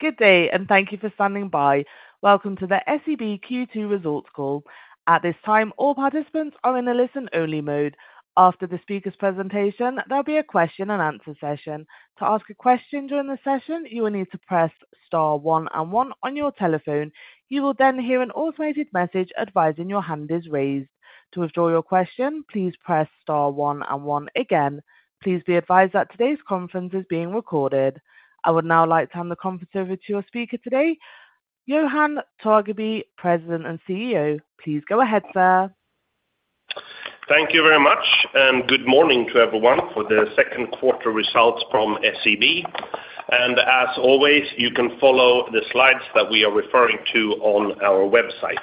Good day, and thank you for standing by. Welcome to the SEB Q2 Results Call. At this time, all participants are in a listen-only mode. After the speaker's presentation, there'll be a question-and-answer session. To ask a question during the session, you will need to press star one and one on your telephone. You will then hear an automated message advising your hand is raised. To withdraw your question, please press star one and one again. Please be advised that today's conference is being recorded. I would now like to hand the conference over to your speaker today, Johan Torgeby, President and CEO. Please go ahead, sir. Thank you very much, and good morning to everyone for the second quarter results from SEB. And as always, you can follow the slides that we are referring to on our website.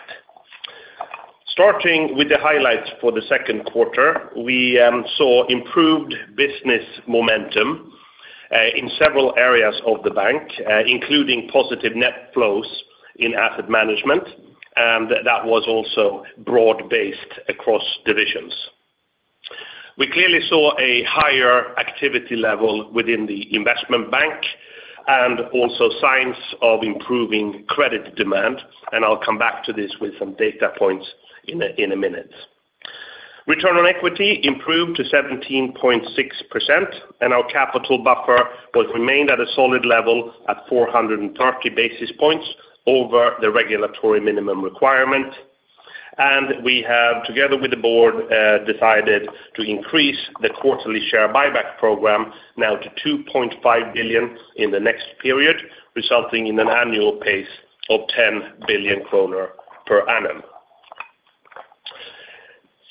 Starting with the highlights for the second quarter, we saw improved business momentum in several areas of the bank, including positive net flows in asset management, and that was also broad-based across divisions. We clearly saw a higher activity level within the investment bank and also signs of improving credit demand, and I'll come back to this with some data points in a minute. Return on equity improved to 17.6%, and our capital buffer was remained at a solid level at 430 basis points over the regulatory minimum requirement. We have, together with the board, decided to increase the quarterly share buyback program now to 2.5 billion in the next period, resulting in an annual pace of 10 billion kronor per annum.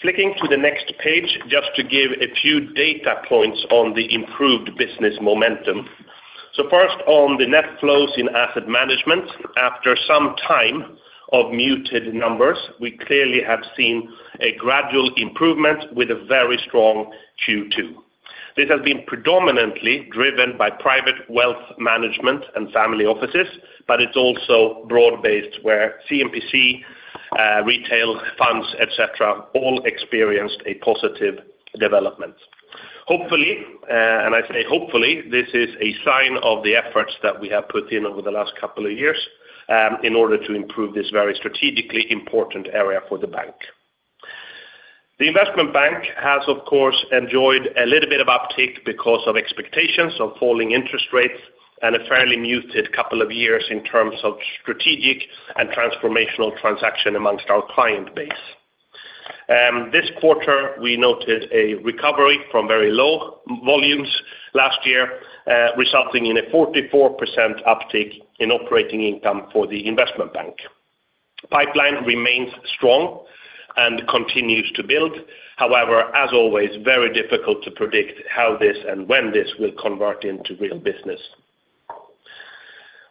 Flicking to the next page, just to give a few data points on the improved business momentum. So first, on the net flows in asset management. After some time of muted numbers, we clearly have seen a gradual improvement with a very strong Q2. This has been predominantly driven by private wealth management and family offices, but it's also broad-based, where C&PC, retail, funds, et cetera, all experienced a positive development. Hopefully, and I say hopefully, this is a sign of the efforts that we have put in over the last couple of years, in order to improve this very strategically important area for the bank. The investment bank has, of course, enjoyed a little bit of uptick because of expectations of falling interest rates and a fairly muted couple of years in terms of strategic and transformational transaction among our client base. This quarter, we noted a recovery from very low volumes last year, resulting in a 44% uptick in operating income for the investment bank. Pipeline remains strong and continues to build. However, as always, very difficult to predict how this and when this will convert into real business.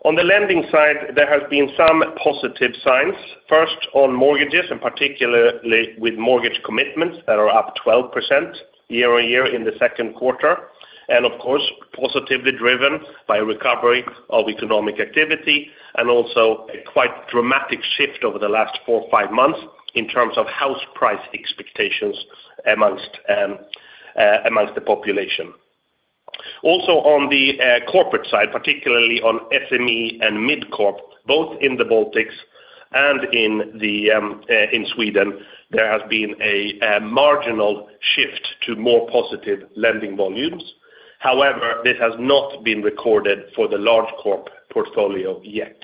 On the lending side, there has been some positive signs. First, on mortgages, and particularly with mortgage commitments that are up 12% year-on-year in the second quarter, and of course, positively driven by recovery of economic activity and also a quite dramatic shift over the last four or five months in terms of house price expectations amongst the population. Also, on the corporate side, particularly on SME and mid-corp, both in the Baltics and in Sweden, there has been a marginal shift to more positive lending volumes. However, this has not been recorded for the large corp portfolio yet.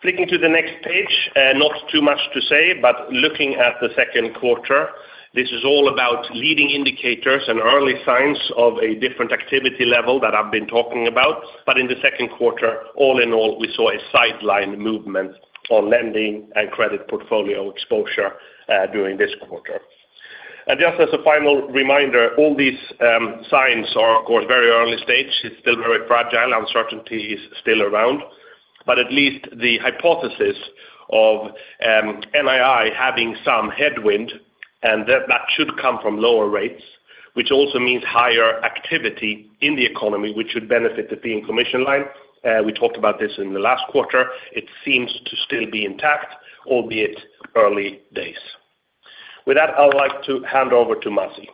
Flicking to the next page, not too much to say, but looking at the second quarter, this is all about leading indicators and early signs of a different activity level that I've been talking about. In the second quarter, all in all, we saw a sideline movement on lending and credit portfolio exposure during this quarter. Just as a final reminder, all these signs are, of course, very early stage. It's still very fragile. Uncertainty is still around. At least the hypothesis of NII having some headwind, and that should come from lower rates, which also means higher activity in the economy, which would benefit the fee and commission line. We talked about this in the last quarter. It seems to still be intact, albeit early days. With that, I would like to hand over to Masih.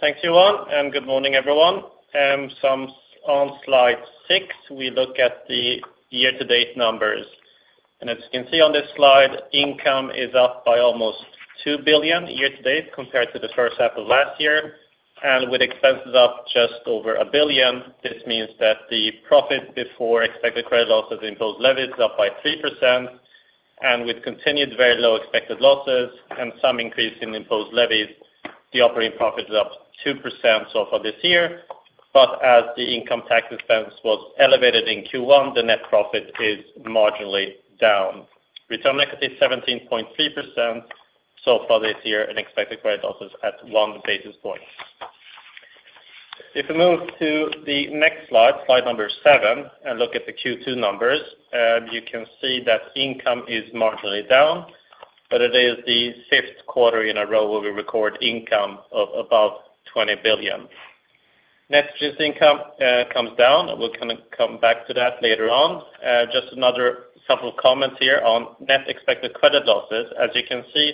Thank you, Johan, and good morning, everyone. So on slide six, we look at the year-to-date numbers. As you can see on this slide, income is up by almost 2 billion year to date compared to the first half of last year. With expenses up just over 1 billion, this means that the profit before expected credit losses, imposed levies, is up by 3%, and with continued very low expected losses and some increase in imposed levies, the operating profit is up 2% so far this year. As the income tax expense was elevated in Q1, the net profit is marginally down. Return on equity, 17.3% so far this year, and expected credit losses at 1 basis point. If we move to the next slide, slide number 7, and look at the Q2 numbers, you can see that income is marginally down, but it is the fifth quarter in a row where we record income of about 20 billion. Net interest income comes down. We'll come back to that later on. Just another couple of comments here on net expected credit losses. As you can see,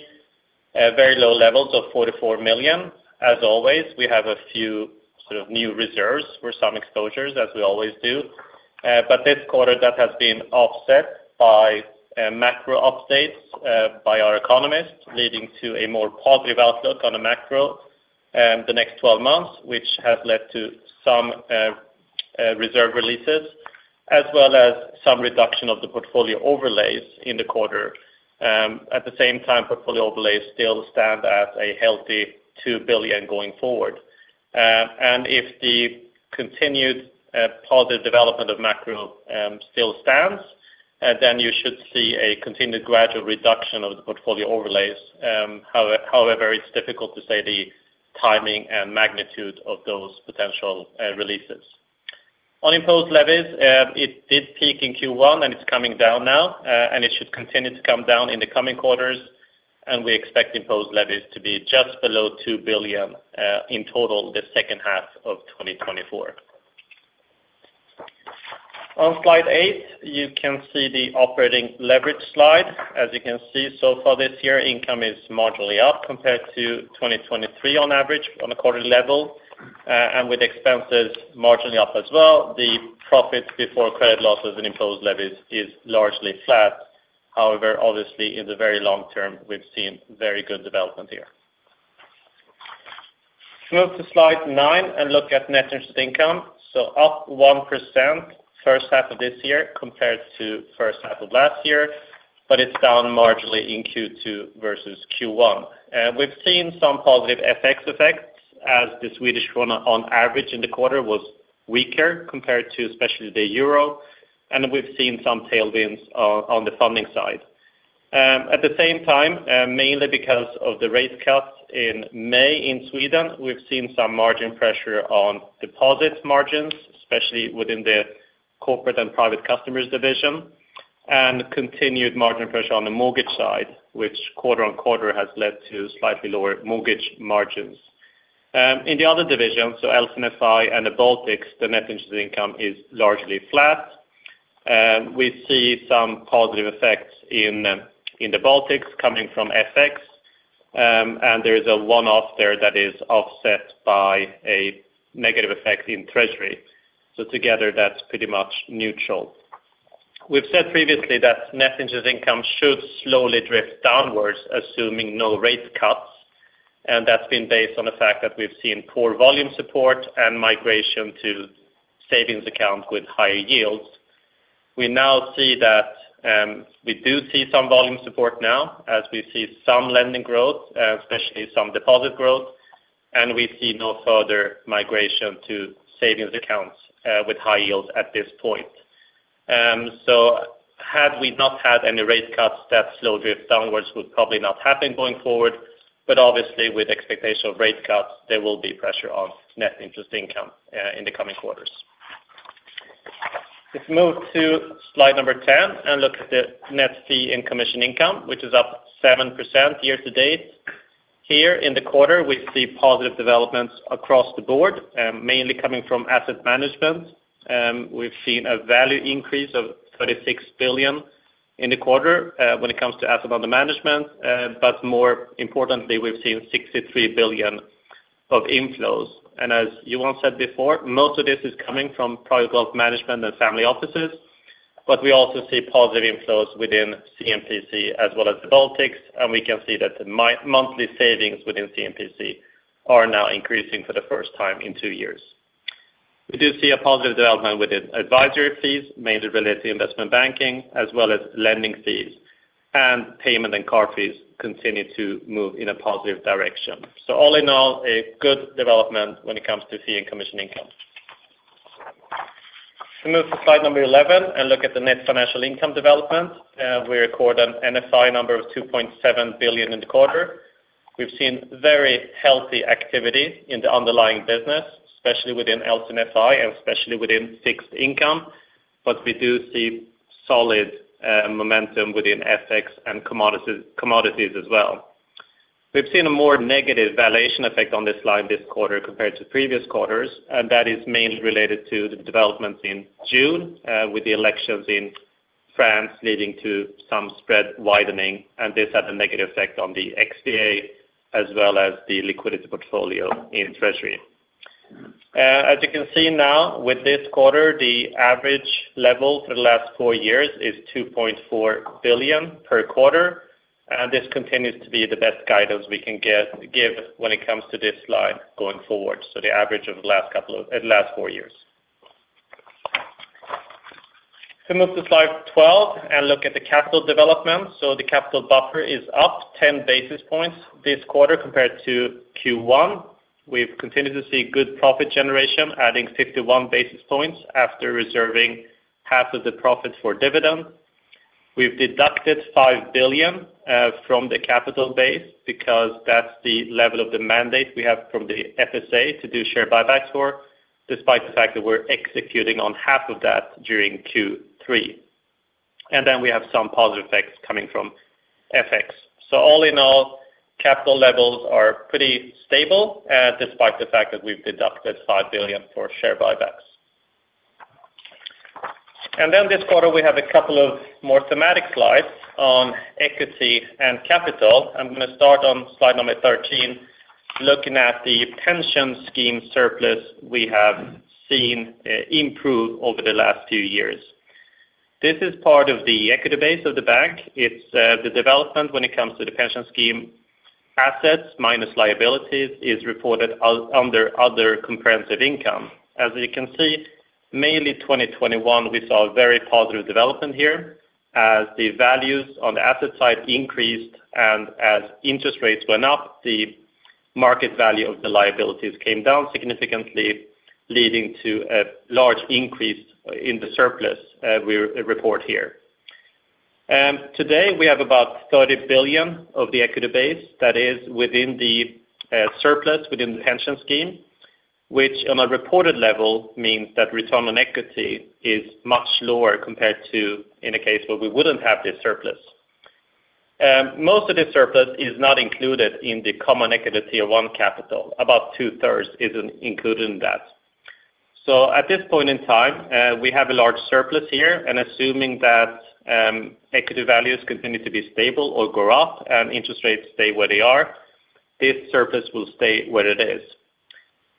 very low levels of 44 million. As always, we have a few sort of new reserves for some exposures, as we always do. But this quarter that has been offset by macro updates by our economists, leading to a more positive outlook on the macro the next 12 months, which has led to some reserve releases, as well as some reduction of the portfolio overlays in the quarter. At the same time, portfolio overlays still stand at a healthy 2 billion going forward. And if the continued positive development of macro still stands, then you should see a continued gradual reduction of the portfolio overlays. However, it's difficult to say the timing and magnitude of those potential releases. On imposed levies, it did peak in Q1, and it's coming down now, and it should continue to come down in the coming quarters, and we expect imposed levies to be just below 2 billion in total, the second half of 2024. On slide 8, you can see the operating leverage slide. As you can see, so far this year, income is marginally up compared to 2023 on average on a quarter level, and with expenses marginally up as well, the profit before credit losses and imposed levies is largely flat. However, obviously, in the very long term, we've seen very good development here. Move to slide 9 and look at net interest income. So up 1% first half of this year compared to first half of last year, but it's down marginally in Q2 versus Q1. We've seen some positive FX effects as the Swedish krona on average in the quarter was weaker compared to especially the euro, and we've seen some tailwinds on the funding side. At the same time, mainly because of the rate cuts in May in Sweden, we've seen some margin pressure on deposit margins, especially within the Corporate and Private Customers division, and continued margin pressure on the mortgage side, which quarter-on-quarter has led to slightly lower mortgage margins. In the other divisions, so LC&FI and the Baltics, the net interest income is largely flat. We see some positive effects in the Baltics coming from FX, and there is a one-off there that is offset by a negative effect in treasury. So together, that's pretty much neutral. We've said previously that net interest income should slowly drift downwards, assuming no rate cuts, and that's been based on the fact that we've seen poor volume support and migration to savings accounts with higher yields. We now see that, we do see some volume support now as we see some lending growth, especially some deposit growth, and we see no further migration to savings accounts with high yields at this point. So had we not had any rate cuts, that slow drift downwards would probably not happen going forward, but obviously, with expectational rate cuts, there will be pressure on net interest income in the coming quarters. Let's move to slide number 10 and look at the net fee and commission income, which is up 7% year to date. Here in the quarter, we see positive developments across the board, mainly coming from asset management. We've seen a value increase of 36 billion in the quarter, when it comes to asset under management, but more importantly, we've seen 63 billion of inflows. As Johan said before, most of this is coming from private wealth management and family offices, but we also see positive inflows within C&PC as well as the Baltics, and we can see that the monthly savings within C&PC are now increasing for the first time in two years. We do see a positive development with advisory fees, mainly related to investment banking, as well as lending fees, and payment and card fees continue to move in a positive direction. So all in all, a good development when it comes to fee and commission income. Move to slide 11 and look at the net financial income development. We record an NFI number of 2.7 billion in the quarter. We've seen very healthy activity in the underlying business, especially within LC&FI and especially within fixed income, but we do see solid momentum within FX and commodities as well. We've seen a more negative valuation effect on this slide this quarter compared to previous quarters, and that is mainly related to the developments in June with the elections in France leading to some spread widening, and this had a negative effect on the XVA as well as the liquidity portfolio in treasury. As you can see now, with this quarter, the average level for the last four years is 2.4 billion per quarter, and this continues to be the best guidance we can give when it comes to this slide going forward, so the average of the last four years. Move to slide 12 and look at the capital development. The capital buffer is up 10 basis points this quarter compared to Q1. We've continued to see good profit generation, adding 51 basis points after reserving half of the profits for dividend. We've deducted 5 billion from the capital base because that's the level of the mandate we have from the FSA to do share buybacks for, despite the fact that we're executing on half of that during Q3. And then we have some positive effects coming from FX. So all in all, capital levels are pretty stable, despite the fact that we've deducted 5 billion for share buybacks. And then this quarter, we have a couple of more thematic slides on equity and capital. I'm gonna start on slide number 13, looking at the pension scheme surplus we have seen improve over the last few years. This is part of the equity base of the bank. It's the development when it comes to the pension scheme assets minus liabilities is reported out under other comprehensive income. As you can see, mainly 2021, we saw a very positive development here as the values on the asset side increased and as interest rates went up, the market value of the liabilities came down significantly, leading to a large increase in the surplus we report here. Today, we have about 30 billion of the equity base that is within the surplus, within the pension scheme, which on a reported level, means that return on equity is much lower compared to in a case where we wouldn't have this surplus. Most of the surplus is not included in the Common Equity Tier 1 capital. About two-thirds isn't included in that. So at this point in time, we have a large surplus here, and assuming that, equity values continue to be stable or go up and interest rates stay where they are, this surplus will stay where it is.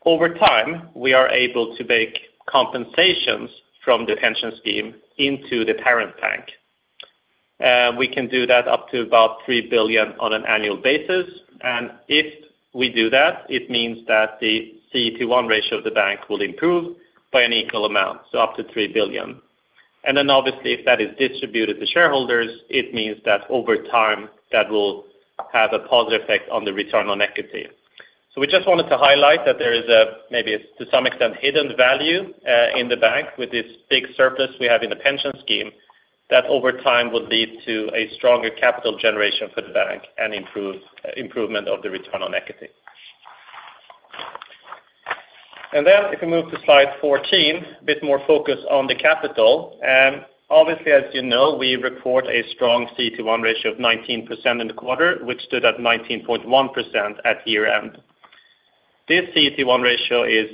Over time, we are able to make compensations from the pension scheme into the parent bank. We can do that up to about 3 billion on an annual basis, and if we do that, it means that the CET1 ratio of the bank will improve by an equal amount, so up to 3 billion. And then obviously, if that is distributed to shareholders, it means that over time, that will have a positive effect on the return on equity. So we just wanted to highlight that there is a, maybe to some extent, hidden value in the bank with this big surplus we have in the pension scheme, that over time would lead to a stronger capital generation for the bank and improvement of the return on equity. Then if we move to slide 14, a bit more focus on the capital. Obviously, as you know, we report a strong CET1 ratio of 19% in the quarter, which stood at 19.1% at year-end. This CET1 ratio is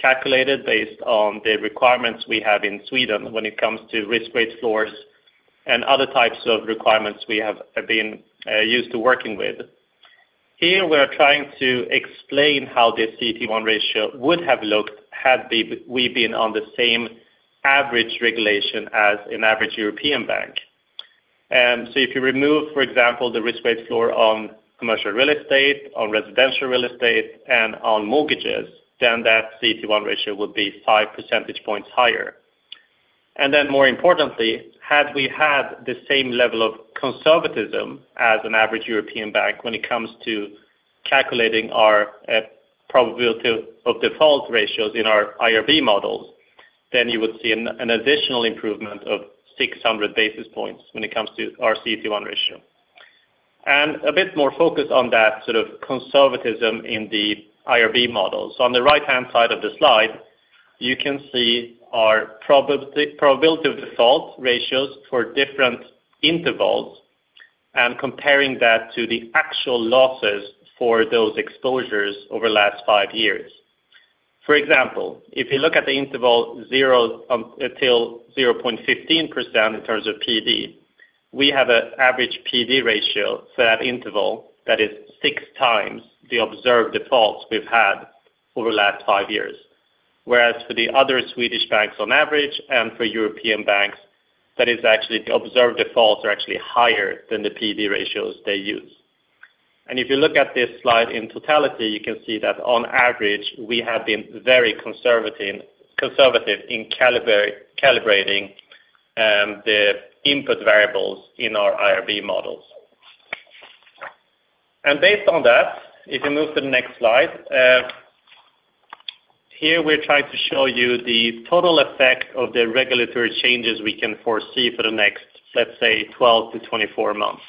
calculated based on the requirements we have in Sweden when it comes to risk weight floors and other types of requirements we have been used to working with. Here, we're trying to explain how this CET1 ratio would have looked had we been on the same average regulation as an average European bank. So if you remove, for example, the risk weight floor on commercial real estate, on residential real estate, and on mortgages, then that CET1 ratio would be five percentage points higher. And then, more importantly, had we had the same level of conservatism as an average European bank when it comes to calculating our probability of default ratios in our IRB models, then you would see an additional improvement of 600 basis points when it comes to our CET1 ratio. And a bit more focus on that sort of conservatism in the IRB models. On the right-hand side of the slide, you can see our probability of default ratios for different intervals and comparing that to the actual losses for those exposures over the last five years. For example, if you look at the interval zero till 0.15% in terms of PD, we have an average PD ratio for that interval that is six times the observed defaults we've had over the last five years. Whereas for the other Swedish banks on average and for European banks, that is actually the observed defaults are actually higher than the PD ratios they use. And if you look at this slide in totality, you can see that on average, we have been very conservative, conservative in calibrating the input variables in our IRB models. And based on that, if you move to the next slide, here we're trying to show you the total effect of the regulatory changes we can foresee for the next, let's say, 12-24 months.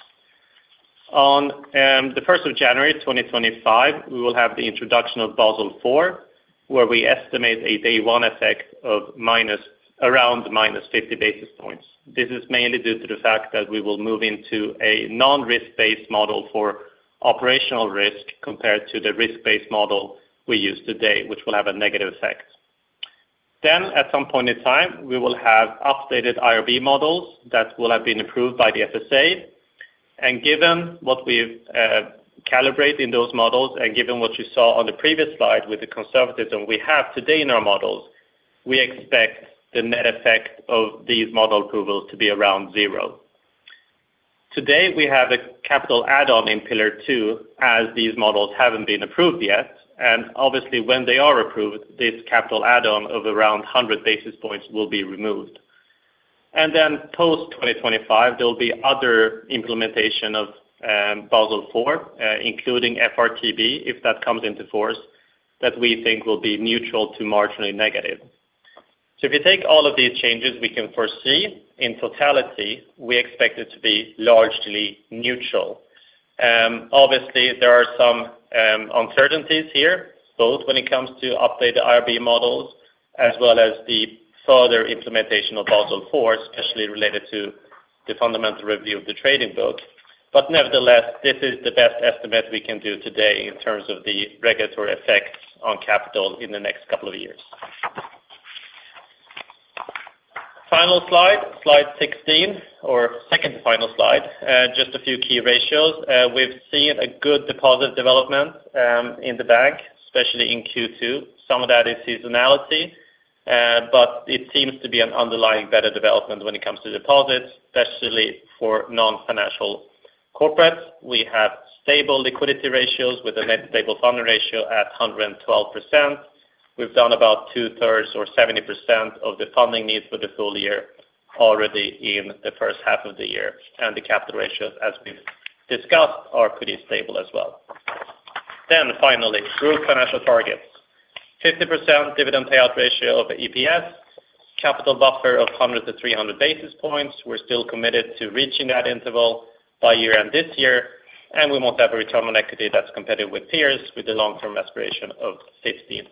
On the first of January 2025, we will have the introduction of Basel IV, where we estimate a day one effect of minus around minus 50 basis points. This is mainly due to the fact that we will move into a non-risk-based model for operational risk compared to the risk-based model we use today, which will have a negative effect. Then, at some point in time, we will have updated IRB models that will have been approved by the FSA. Given what we've calibrate in those models and given what you saw on the previous slide with the conservatism we have today in our models, we expect the net effect of these model approvals to be around zero. Today, we have a capital add-on in Pillar 2, as these models haven't been approved yet, and obviously, when they are approved, this capital add-on of around 100 basis points will be removed. Then post-2025, there will be other implementation of Basel IV, including FRTB, if that comes into force, that we think will be neutral to marginally negative. If you take all of these changes we can foresee in totality, we expect it to be largely neutral. Obviously, there are some uncertainties here, both when it comes to updated IRB models, as well as the further implementation of Basel IV, especially related to the fundamental review of the trading book. But nevertheless, this is the best estimate we can do today in terms of the regulatory effects on capital in the next couple of years. Final slide, slide 16, or second to final slide, just a few key ratios. We've seen a good deposit development in the bank, especially in Q2. Some of that is seasonality, but it seems to be an underlying better development when it comes to deposits, especially for non-financial corporates. We have stable liquidity ratios with a net stable funding ratio at 112%. We've done about two thirds or 70% of the funding needs for the full year already in the first half of the year, and the capital ratios, as we've discussed, are pretty stable as well. Then finally, group financial targets. 50% dividend payout ratio of EPS, capital buffer of 100-300 basis points. We're still committed to reaching that interval by year-end this year, and we want to have a return on equity that's competitive with peers, with a long-term aspiration of 15%.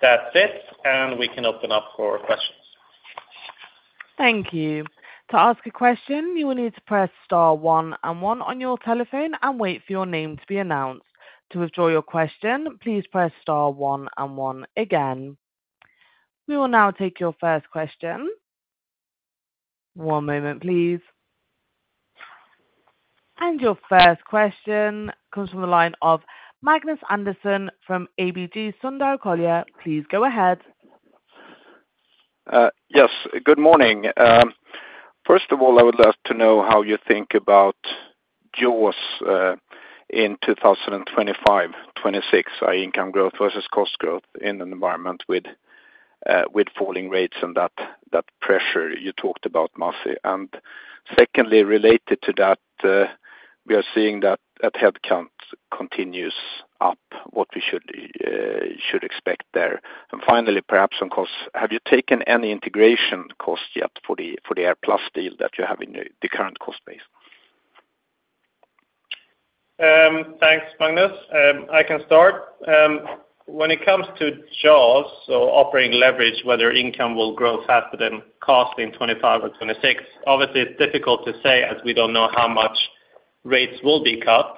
That's it, and we can open up for questions. Thank you. To ask a question, you will need to press star one and one on your telephone and wait for your name to be announced. To withdraw your question, please press star one and one again. We will now take your first question. One moment, please. Your first question comes from the line of Magnus Andersson from ABG Sundal Collier. Please go ahead. Yes, good morning. First of all, I would love to know how you think about Jaws in 2025, 2026, income growth versus cost growth in an environment with falling rates and that pressure you talked about, Masih. And secondly, related to that, we are seeing that headcount continues up, what we should expect there. And finally, perhaps on costs, have you taken any integration costs yet for the AirPlus deal that you have in the current cost base? Thanks, Magnus. I can start. When it comes to jaws or operating leverage, whether income will grow faster than cost in 2025 or 2026, obviously it's difficult to say as we don't know how much rates will be cut.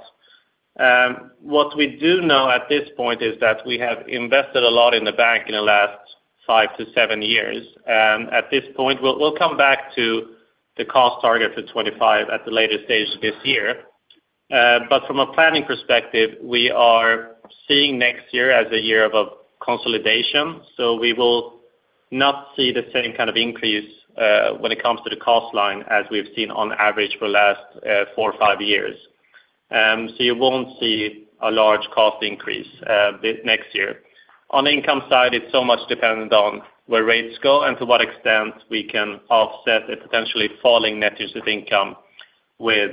What we do know at this point is that we have invested a lot in the bank in the last 5-7 years. At this point, we'll come back to the cost target for 2025 at the later stage this year. But from a planning perspective, we are seeing next year as a year of a consolidation, so we will not see the same kind of increase when it comes to the cost line as we've seen on average for the last 4 or 5 years. So you won't see a large cost increase this next year. On the income side, it's so much dependent on where rates go and to what extent we can offset a potentially falling net interest income with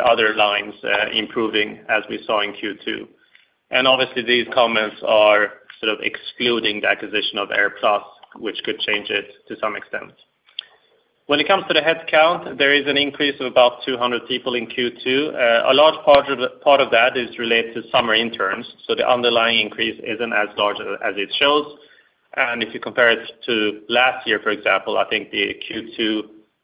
other lines improving, as we saw in Q2. Obviously, these comments are sort of excluding the acquisition of AirPlus, which could change it to some extent. When it comes to the headcount, there is an increase of about 200 people in Q2. A large part of that is related to summer interns, so the underlying increase isn't as large as it shows. If you compare it to last year, for example, I think the Q2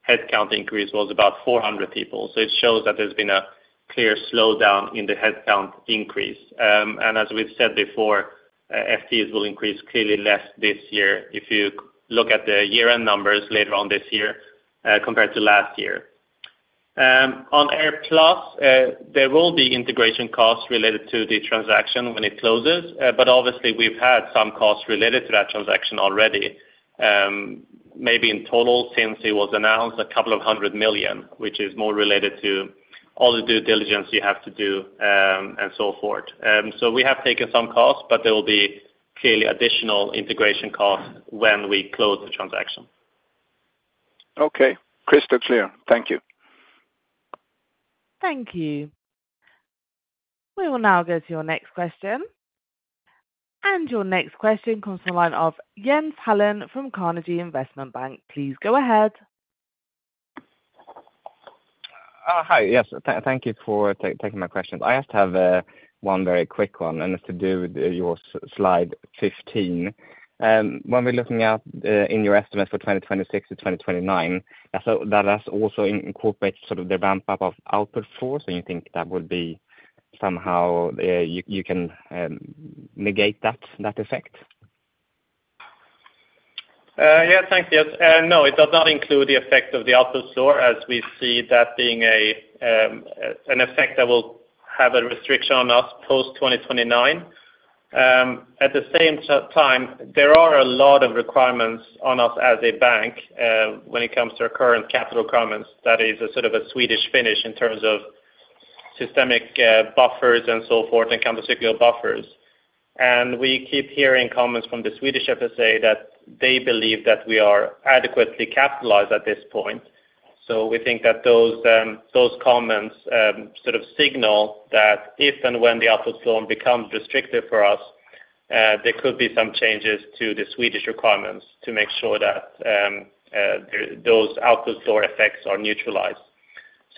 headcount increase was about 400 people. So it shows that there's been a clear slowdown in the headcount increase. As we've said before, FTs will increase clearly less this year if you look at the year-end numbers later on this year, compared to last year. On AirPlus, there will be integration costs related to the transaction when it closes, but obviously we've had some costs related to that transaction already. Maybe in total, since it was announced, a couple of hundred million SEK, which is more related to all the due diligence you have to do, and so forth. We have taken some costs, but there will be clearly additional integration costs when we close the transaction. Okay. Crystal clear. Thank you. Thank you. We will now go to your next question. Your next question comes from the line of Jens Hallén from Carnegie Investment Bank. Please go ahead. Hi. Yes, thank you for taking my question. I just have one very quick one, and it's to do with your slide 15. When we're looking at in your estimates for 2026 to 2029, I thought that has also incorporates sort of the ramp-up of output floor. So you think that would be somehow you can negate that effect? Yeah, thanks, Jens. No, it does not include the effect of the output floor, as we see that being an effect that will have a restriction on us post-2029. At the same time, there are a lot of requirements on us as a bank, when it comes to our current capital constraints. That is a sort of a Swedish specifics in terms of systemic buffers and so forth, and countercyclical buffers. And we keep hearing comments from the Swedish FSA that they believe that we are adequately capitalized at this point. So we think that those comments sort of signal that if and when the output floor becomes restrictive for us, there could be some changes to the Swedish requirements to make sure that those output floor effects are neutralized.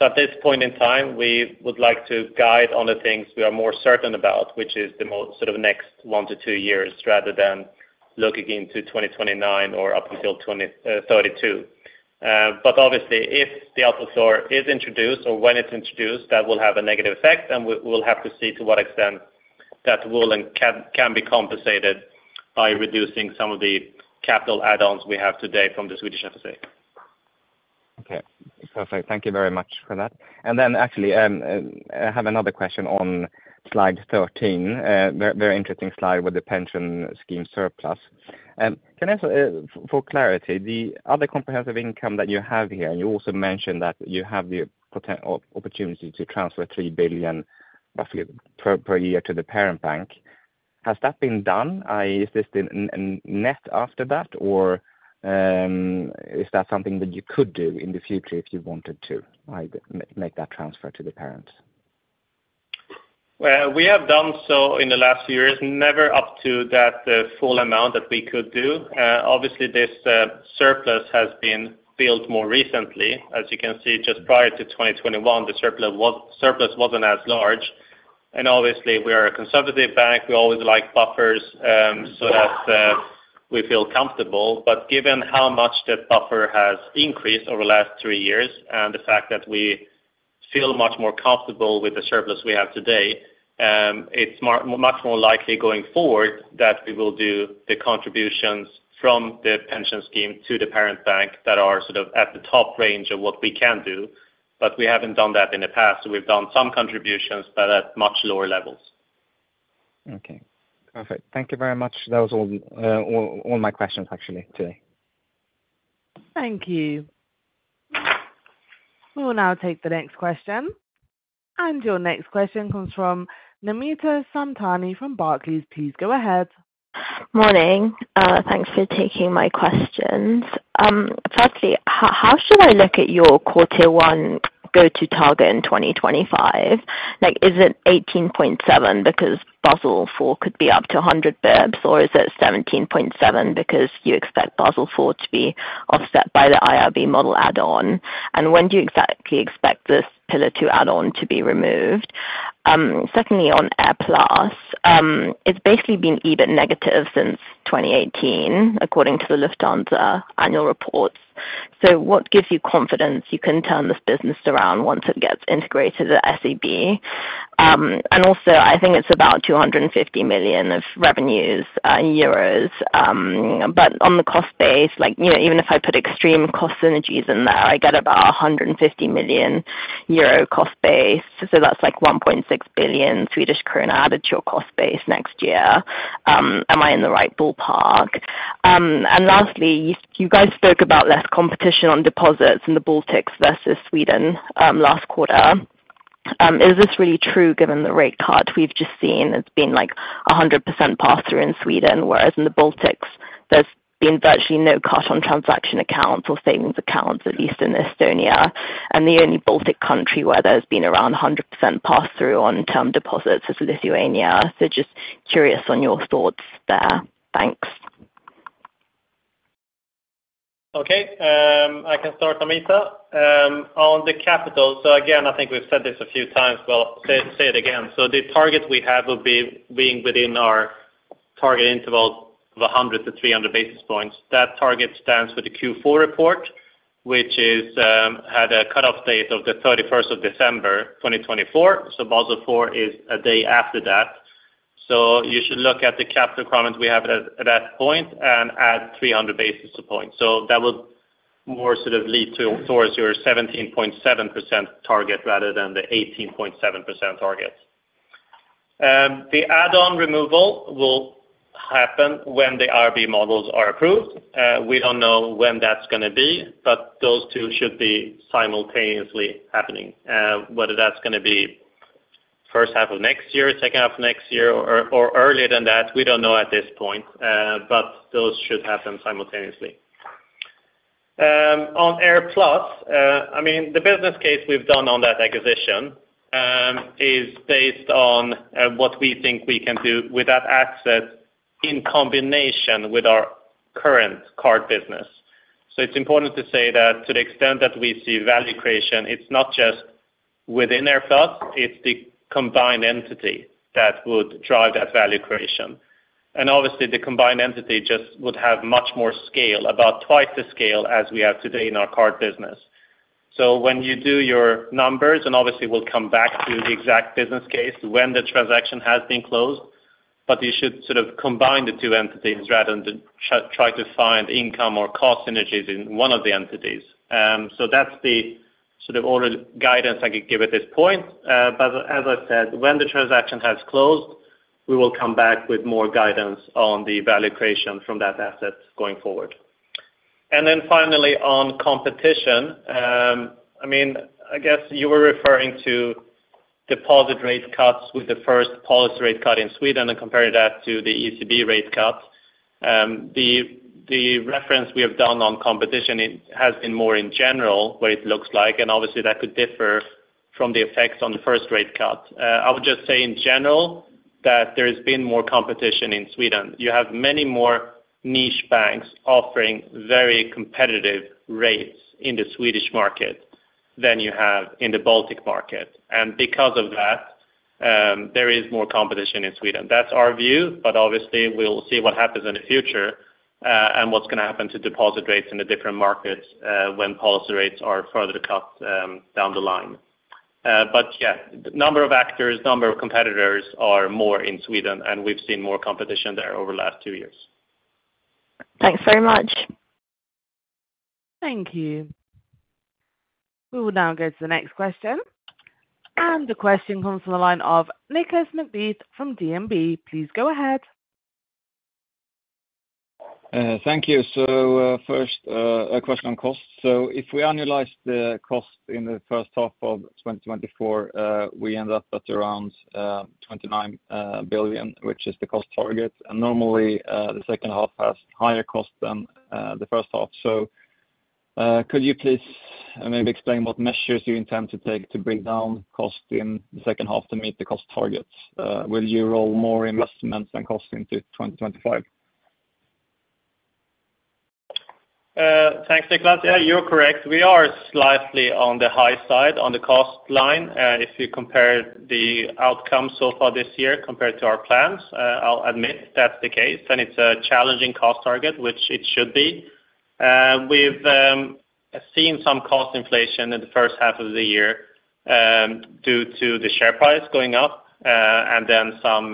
At this point in time, we would like to guide on the things we are more certain about, which is mostly the next 1-2 years, rather than looking into 2029 or up until 2032. But obviously, if the output floor is introduced or when it's introduced, that will have a negative effect, and we'll have to see to what extent that will and can be compensated by reducing some of the capital add-ons we have today from the Swedish FSA. Okay, perfect. Thank you very much for that. And then actually, I have another question on slide 13. Very, very interesting slide with the pension scheme surplus. Can I ask, for clarity, the other comprehensive income that you have here, and you also mentioned that you have the opportunity to transfer 3 billion per year to the parent bank. Has that been done? I.e., is this the net after that, or is that something that you could do in the future if you wanted to, like, make that transfer to the parent? Well, we have done so in the last few years, never up to that full amount that we could do. Obviously this surplus has been built more recently. As you can see, just prior to 2021, the surplus was, surplus wasn't as large, and obviously we are a conservative bank. We always like buffers, so that we feel comfortable. But given how much the buffer has increased over the last three years, and the fact that we feel much more comfortable with the surplus we have today, it's much more likely going forward that we will do the contributions from the pension scheme to the parent bank that are sort of at the top range of what we can do, but we haven't done that in the past. We've done some contributions, but at much lower levels. Okay, perfect. Thank you very much. That was all my questions, actually, today. Thank you. We will now take the next question. Your next question comes from Namita Samtani from Barclays. Please go ahead. Morning. Thanks for taking my questions. Firstly, how should I look at your Q1 CET1 target in 2025? Like, is it 18.7 because Basel IV could be up to 100 basis points, or is it 17.7 because you expect Basel IV to be offset by the IRB model add-on? And when do you exactly expect this Pillar 2 add-on to be removed? Secondly, on AirPlus, it's basically been even negative since 2018, according to the Lufthansa annual reports. So what gives you confidence you can turn this business around once it gets integrated at SEB? And also, I think it's about 250 million of revenues, but on the cost base, like, you know, even if I put extreme cost synergies in there, I get about 150 million euro cost base, so that's like 1.6 billion Swedish krona added to your cost base next year. Am I in the right ballpark? And lastly, you guys spoke about less competition on deposits in the Baltics versus Sweden last quarter. Is this really true given the rate cut we've just seen? It's been like 100% pass-through in Sweden, whereas in the Baltics, there's been virtually no cut on transaction accounts or savings accounts, at least in Estonia. And the only Baltic country where there's been around 100% pass-through on term deposits is Lithuania. Just curious on your thoughts there. Thanks. Okay, I can start, Namita. On the capital, so again, I think we've said this a few times. Well, say it again. So the target we have will be being within our target interval of 100-300 basis points. That target stands for the Q4 report, which had a cutoff date of the 31st of December, 2024. So Basel IV is a day after that. So you should look at the capital requirements we have at that point and add 300 basis points. So that would more sort of lead to towards your 17.7% target rather than the 18.7% target. The add-on removal will happen when the IRB models are approved. We don't know when that's gonna be, but those two should be simultaneously happening. whether that's gonna be first half of next year, second half of next year, or, or earlier than that, we don't know at this point, but those should happen simultaneously. On AirPlus, I mean, the business case we've done on that acquisition, is based on, what we think we can do with that access in combination with our current card business. So it's important to say that to the extent that we see value creation, it's not just within AirPlus, it's the combined entity that would drive that value creation. And obviously, the combined entity just would have much more scale, about twice the scale as we have today in our card business. So when you do your numbers, and obviously we'll come back to the exact business case when the transaction has been closed, but you should sort of combine the two entities rather than try to find income or cost synergies in one of the entities. So that's the sort of only guidance I could give at this point. But as I said, when the transaction has closed, we will come back with more guidance on the value creation from that asset going forward. And then finally, on competition, I mean, I guess you were referring to deposit rate cuts with the first policy rate cut in Sweden, and compare that to the ECB rate cut. The, the reference we have done on competition, it has been more in general, what it looks like, and obviously that could differ from the effects on the first rate cut. I would just say, in general, that there has been more competition in Sweden. You have many more niche banks offering very competitive rates in the Swedish market than you have in the Baltic market. And because of that, there is more competition in Sweden. That's our view, but obviously we'll see what happens in the future, and what's gonna happen to deposit rates in the different markets, when policy rates are further cut, down the line. But yeah, the number of actors, number of competitors are more in Sweden, and we've seen more competition there over the last two years. Thanks very much. Thank you. We will now go to the next question. The question comes from the line of Nicolas McBeath from DNB. Please go ahead. Thank you. So, first, a question on cost. So if we annualize the cost in the first half of 2024, we end up at around 29 billion, which is the cost target. And normally, the second half has higher cost than the first half. So, could you please maybe explain what measures you intend to take to bring down cost in the second half to meet the cost targets? Will you roll more investments and cost into 2025? Thanks, Nicolas. Yeah, you're correct. We are slightly on the high side on the cost line. If you compare the outcome so far this year compared to our plans, I'll admit that's the case, and it's a challenging cost target, which it should be. We've seen some cost inflation in the first half of the year, due to the share price going up, and then some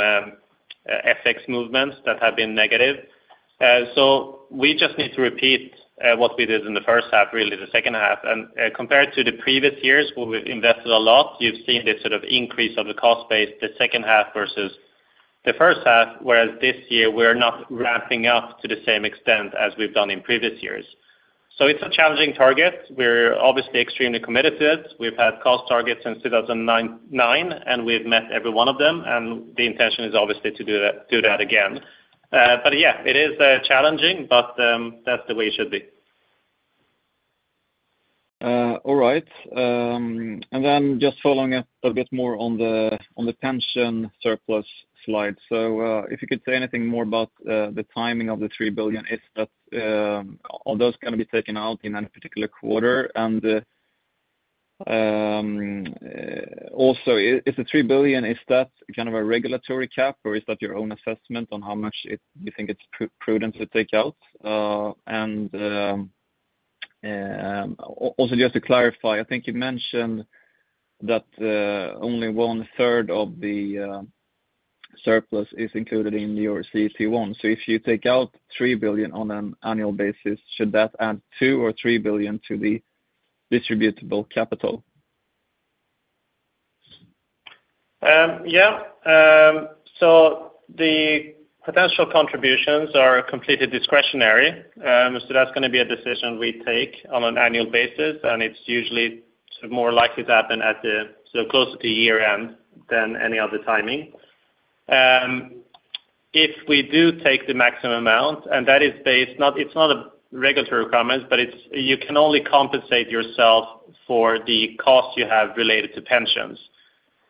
FX movements that have been negative. So we just need to repeat what we did in the first half, really the second half. And, compared to the previous years, where we've invested a lot, you've seen this sort of increase of the cost base, the second half versus the first half, whereas this year we're not ramping up to the same extent as we've done in previous years. It's a challenging target. We're obviously extremely committed to it. We've had cost targets since 1999, and we've met every one of them, and the intention is obviously to do that, do that again. But yeah, it is challenging, but that's the way it should be. All right. And then just following up a bit more on the pension surplus slide. So, if you could say anything more about the timing of the 3 billion, is that? Are those gonna be taken out in any particular quarter? And, also, is the 3 billion, is that kind of a regulatory cap, or is that your own assessment on how much it, you think it's prudent to take out? And, also, just to clarify, I think you mentioned that only one-third of the surplus is included in your CET1. So if you take out 3 billion on an annual basis, should that add 2 billion or 3 billion to the distributable capital? Yeah. So the potential contributions are completely discretionary. So that's gonna be a decision we take on an annual basis, and it's usually more likely to happen at the, so closer to year-end than any other timing. If we do take the maximum amount, and that is based, not, it's not a regulatory requirement, but it's, you can only compensate yourself for the costs you have related to pensions.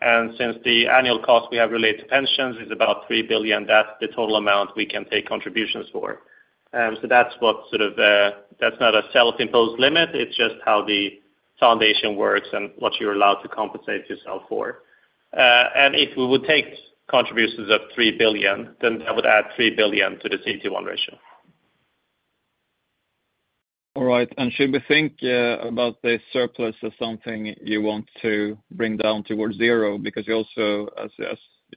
And since the annual cost we have related to pensions is about 3 billion, that's the total amount we can take contributions for. So that's what sort of, that's not a self-imposed limit, it's just how the foundation works and what you're allowed to compensate yourself for. And if we would take contributions of 3 billion, then that would add 3 billion to the CET1 ratio. All right. And should we think about the surplus as something you want to bring down towards zero? Because you also, as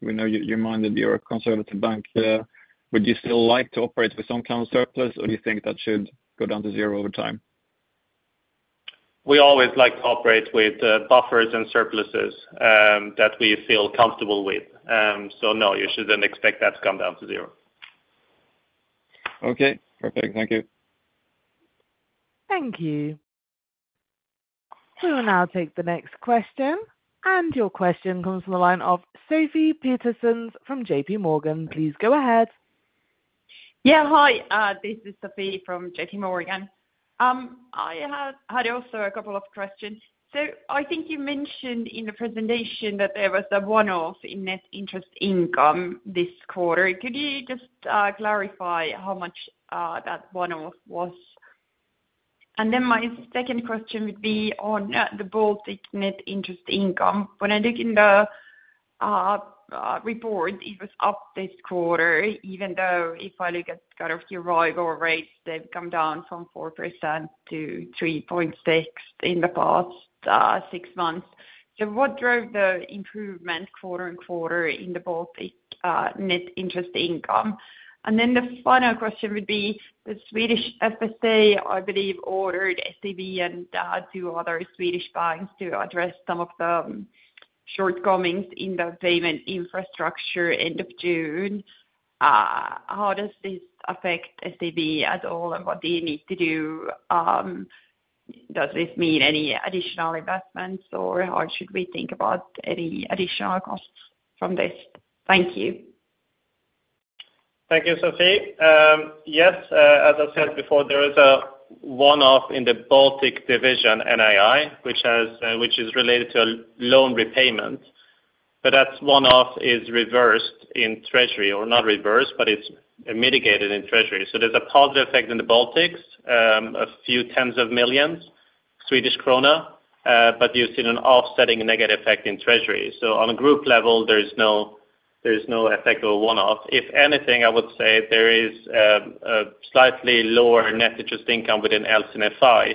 we know, you mentioned that you're a conservative bank. Would you still like to operate with some kind of surplus, or do you think that should go down to zero over time? We always like to operate with buffers and surpluses that we feel comfortable with. So no, you shouldn't expect that to come down to zero. Okay, perfect. Thank you. Thank you. We will now take the next question, and your question comes from the line of Sofie Peterzens from JPMorgan. Please go ahead. Yeah, hi, this is Sofie from JPMorgan. I have had also a couple of questions. So I think you mentioned in the presentation that there was a one-off in net interest income this quarter. Could you just clarify how much that one-off was? And then my second question would be on the Baltic net interest income. When I look in the report, it was up this quarter, even though if I look at kind of your arrival rates, they've come down from 4% to 3.6% in the past six months. So what drove the improvement quarter and quarter in the Baltic net interest income? And then the final question would be, the Swedish FSA, I believe, ordered SEB and two other Swedish banks to address some of the shortcomings in the payment infrastructure end of June. How does this affect SEB at all, and what do you need to do? Does this mean any additional investments, or how should we think about any additional costs from this? Thank you. ...Thank you, Sofie. Yes, as I said before, there is a one-off in the Baltic division, NII, which is related to loan repayment, but that one-off is reversed in treasury, or not reversed, but it's mitigated in treasury. So there's a positive effect in the Baltics, a few tens of millions SEK, but you've seen an offsetting negative effect in treasury. So on a group level, there is no, there is no effect or one-off. If anything, I would say there is a slightly lower net interest income within LC&FI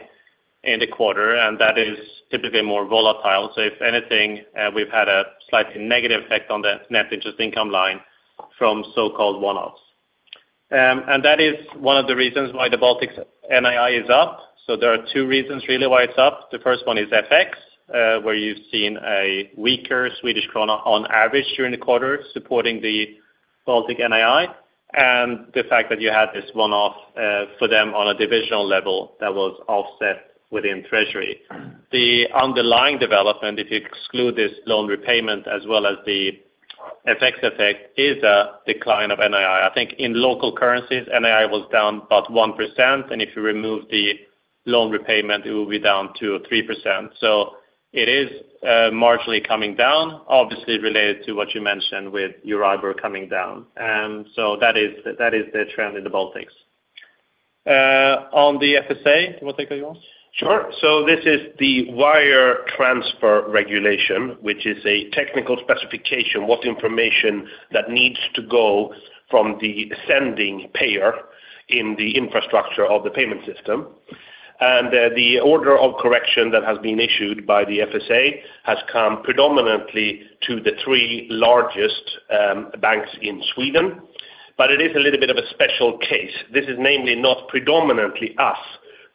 in the quarter, and that is typically more volatile. So if anything, we've had a slightly negative effect on the net interest income line from so-called one-offs. And that is one of the reasons why the Baltics NII is up. So there are two reasons, really, why it's up. The first one is FX, where you've seen a weaker Swedish krona on average during the quarter, supporting the Baltics NII, and the fact that you had this one-off for them on a divisional level that was offset within treasury. The underlying development, if you exclude this loan repayment as well as the FX effect, is a decline of NII. I think in local currencies, NII was down about 1%, and if you remove the loan repayment, it will be down to 3%. So it is marginally coming down, obviously related to what you mentioned with Euribor coming down. So that is, that is the trend in the Baltics. On the FSA, you want to take that one? Sure. So this is the Wire Transfer Regulation, which is a technical specification, what information that needs to go from the sending payer in the infrastructure of the payment system. And the order of correction that has been issued by the FSA has come predominantly to the three largest banks in Sweden, but it is a little bit of a special case. This is namely not predominantly us,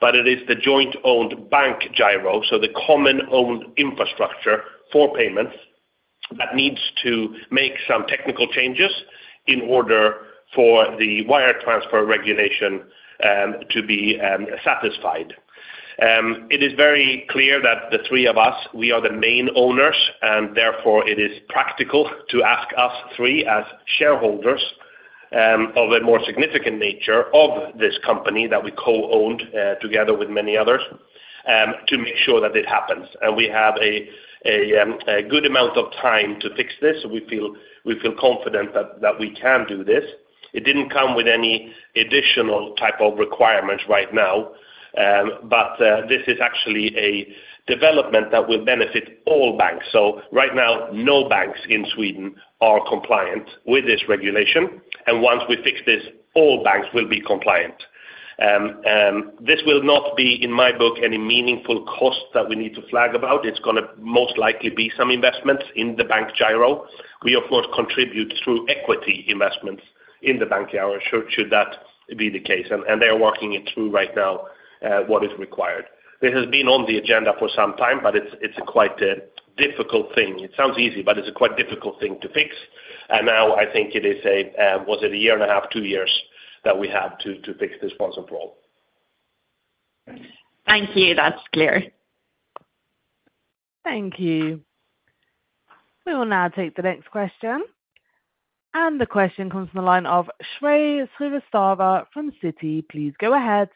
but it is the joint-owned Bankgirot, so the common-owned infrastructure for payments, that needs to make some technical changes in order for the Wire Transfer Regulation to be satisfied. It is very clear that the three of us, we are the main owners, and therefore, it is practical to ask us three as shareholders of a more significant nature of this company that we co-owned together with many others to make sure that it happens. We have a good amount of time to fix this. We feel confident that we can do this. It didn't come with any additional type of requirements right now, but this is actually a development that will benefit all banks. So right now, no banks in Sweden are compliant with this regulation, and once we fix this, all banks will be compliant. This will not be, in my book, any meaningful cost that we need to flag about. It's gonna most likely be some investment in the Bankgirot. We of course contribute through equity investments in the Bankgirot, should that be the case. And they are working it through right now, what is required. This has been on the agenda for some time, but it's quite a difficult thing. It sounds easy, but it's a quite difficult thing to fix, and now I think it is a, was it a year and a half, two years, that we have to fix this once and for all. Thank you. That's clear. Thank you. We will now take the next question. The question comes from the line of Shrey Srivastava from Citi. Please go ahead.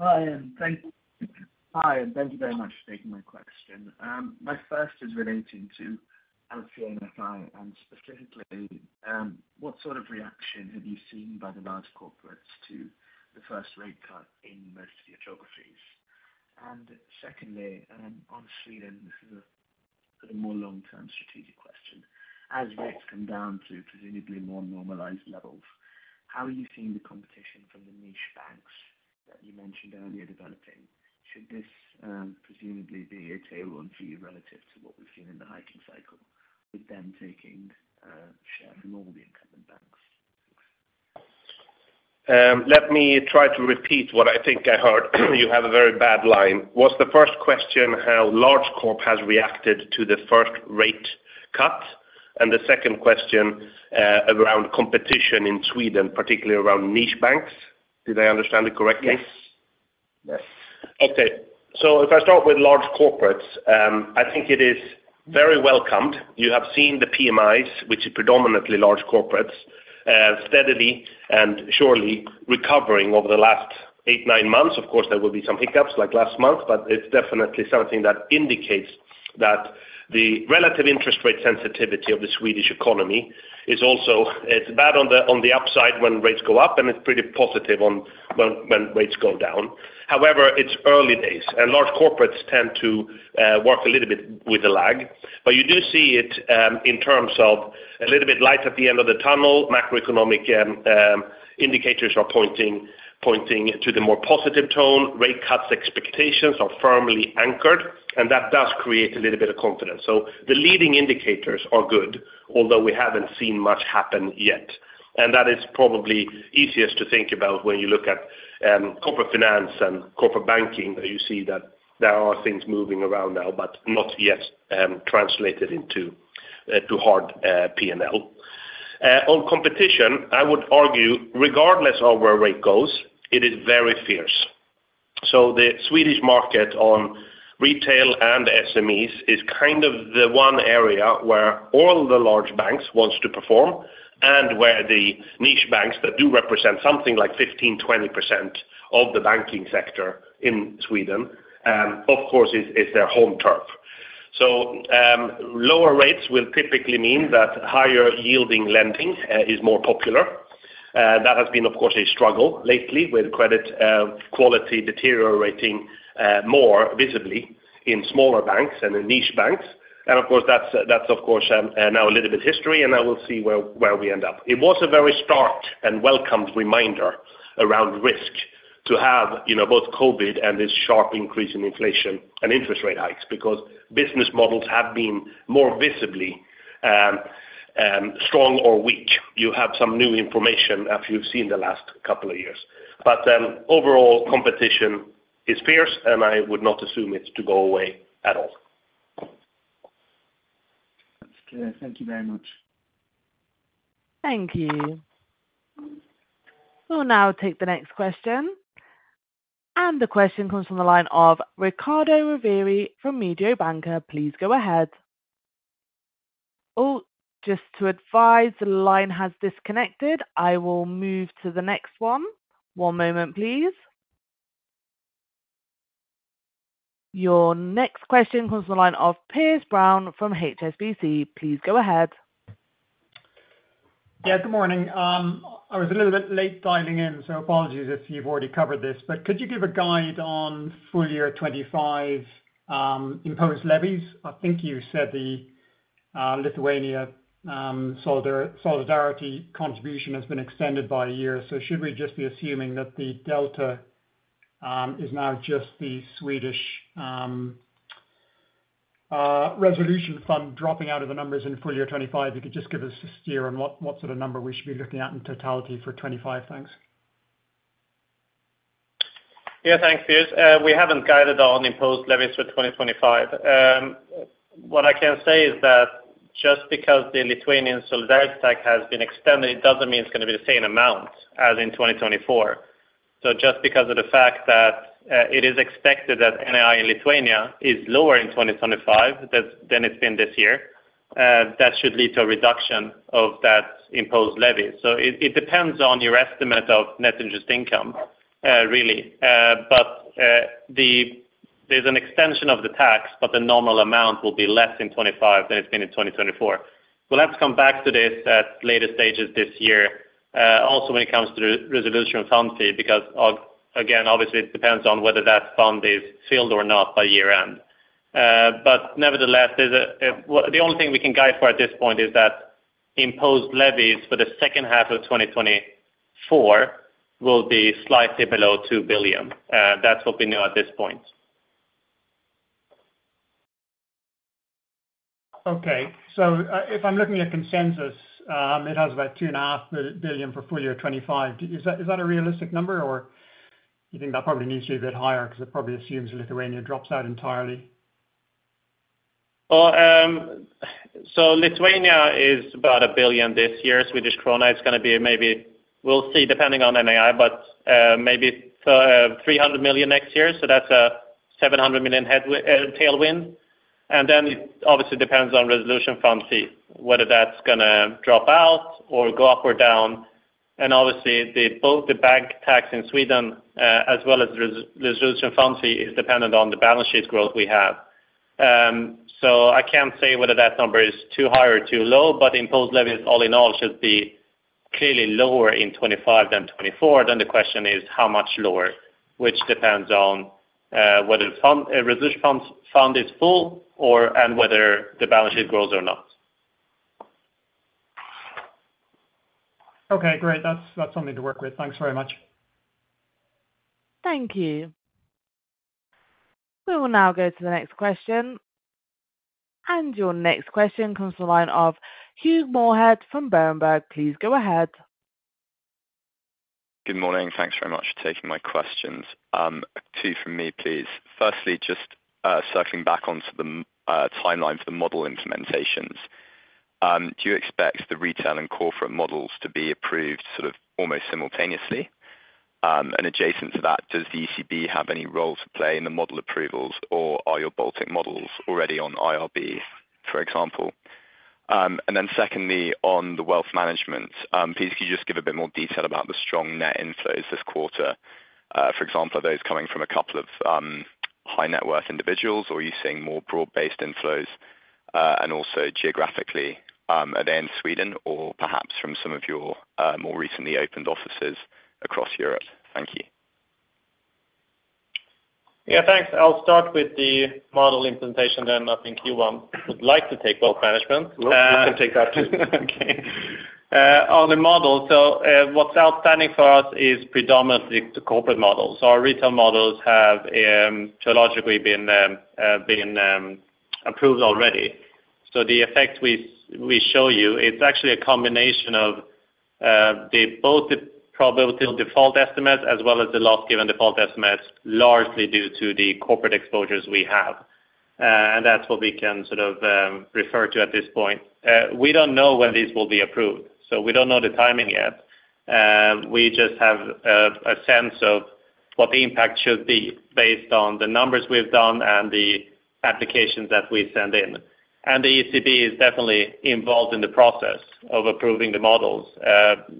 Hi, and thank you. Hi, and thank you very much for taking my question. My first is relating to LC&FI, and specifically, what sort of reaction have you seen by the large corporates to the first rate cut in most of your geographies? And secondly, on Sweden, this is a more long-term strategic question: As rates come down to presumably more normalized levels, how are you seeing the competition from the niche banks that you mentioned earlier developing? Should this, presumably be a tailwind for you relative to what we've seen in the hiking cycle, with them taking share from all the incumbent banks? Let me try to repeat what I think I heard. You have a very bad line. Was the first question, how large corp has reacted to the first rate cut? And the second question around competition in Sweden, particularly around niche banks. Did I understand it correctly? Yes. Yes. Okay. So if I start with large corporates, I think it is very welcomed. You have seen the PMIs, which is predominantly large corporates, steadily and surely recovering over the last 8-9 months. Of course, there will be some hiccups like last month, but it's definitely something that indicates that the relative interest rate sensitivity of the Swedish economy is also... It's bad on the upside when rates go up, and it's pretty positive on when rates go down. However, it's early days, and large corporates tend to work a little bit with a lag. But you do see it in terms of a little bit light at the end of the tunnel. Macroeconomic indicators are pointing to the more positive tone. Rate cuts expectations are firmly anchored, and that does create a little bit of confidence. The leading indicators are good, although we haven't seen much happen yet. That is probably easiest to think about when you look at corporate finance and corporate banking. You see that there are things moving around now, but not yet translated into hard PNL. On competition, I would argue, regardless of where rate goes, it is very fierce. ...So the Swedish market on retail and SMEs is kind of the one area where all the large banks wants to perform, and where the niche banks that do represent something like 15-20% of the banking sector in Sweden, of course, is their home turf. So, lower rates will typically mean that higher yielding lending is more popular. That has been, of course, a struggle lately, with credit quality deteriorating more visibly in smaller banks and in niche banks. And of course, that's now a little bit history, and I will see where we end up. It was a very stark and welcomed reminder around risk to have, you know, both COVID and this sharp increase in inflation and interest rate hikes, because business models have been more visibly strong or weak. You have some new information, as you've seen the last couple of years. But, overall competition is fierce, and I would not assume it's to go away at all. That's clear. Thank you very much. Thank you. We'll now take the next question. The question comes from the line of Riccardo Rovere from Mediobanca. Please go ahead. Oh, just to advise, the line has disconnected. I will move to the next one. One moment, please. Your next question comes from the line of Piers Brown from HSBC. Please go ahead. Yeah, good morning. I was a little bit late dialing in, so apologies if you've already covered this, but could you give a guide on full year 2025 imposed levies? I think you said the Lithuania solidarity contribution has been extended by a year, so should we just be assuming that the delta is now just the Swedish Resolution Fund dropping out of the numbers in full year 2025? You could just give us a steer on what sort of number we should be looking at in totality for 2025. Thanks. Yeah, thanks, Piers. We haven't guided on imposed levies for 2025. What I can say is that just because the Lithuanian solidarity tax has been extended, it doesn't mean it's gonna be the same amount as in 2024. So just because of the fact that it is expected that NII in Lithuania is lower in 2025 than it's been this year, that should lead to a reduction of that imposed levy. So it depends on your estimate of net interest income, really. But there's an extension of the tax, but the normal amount will be less in 2025 than it's been in 2024. We'll have to come back to this at later stages this year, also when it comes to the Resolution Fund fee, because again, obviously, it depends on whether that fund is filled or not by year-end. But nevertheless, there's a, well, the only thing we can guide for at this point is that imposed levies for the second half of 2024 will be slightly below 2 billion. That's what we know at this point. Okay. So, if I'm looking at consensus, it has about 2.5 billion for full year 2025. Is that, is that a realistic number, or you think that probably needs to be a bit higher, because it probably assumes Lithuania drops out entirely? Well, so Lithuania is about 1 billion this year. Swedish krona is gonna be maybe... We'll see, depending on NII, but, maybe, 300 million next year, so that's a 700 million tailwind. And then it obviously depends on Resolution Fund fee, whether that's gonna drop out or go up or down. And obviously, both the bank tax in Sweden, as well as Resolution Fund fee, is dependent on the balance sheet growth we have. So I can't say whether that number is too high or too low, but imposed levies, all in all, should be clearly lower in 2025 than 2024. Then the question is how much lower, which depends on, whether the fund, Resolution Fund is full or, and whether the balance sheet grows or not. Okay, great. That's something to work with. Thanks very much. Thank you. We will now go to the next question. Your next question comes from the line of Hugh Moorhead from Berenberg. Please go ahead. Good morning, thanks very much for taking my questions. Two from me, please. Firstly, just, circling back onto the timeline for the model implementations. Do you expect the retail and corporate models to be approved sort of almost simultaneously? And adjacent to that, does the ECB have any role to play in the model approvals, or are your Baltic models already on IRB, for example? And then secondly, on the wealth management, please, can you just give a bit more detail about the strong net inflows this quarter? For example, are those coming from a couple of high net worth individuals, or are you seeing more broad-based inflows, and also geographically, are they in Sweden or perhaps from some of your more recently opened offices across Europe? Thank you. Yeah, thanks. I'll start with the model implementation, then I think Johan would like to take wealth management. I can take that, too. Okay. On the model, so, what's outstanding for us is predominantly the corporate models. Our retail models have historically been approved already. So the effect we show you, it's actually a combination of both the probability of default estimates as well as the loss-given default estimates, largely due to the corporate exposures we have. And that's what we can sort of refer to at this point. We don't know when these will be approved, so we don't know the timing yet. We just have a sense of what the impact should be based on the numbers we've done and the applications that we send in. The ECB is definitely involved in the process of approving the models,